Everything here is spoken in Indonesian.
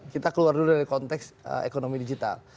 kita keluar dulu dari konteks ekonomi digital